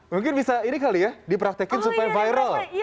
mungkin bisa ini kali ya dipraktekin supaya viral